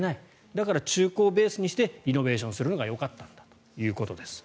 だから中古をベースにしてリノベーションするのがよかったんだということです。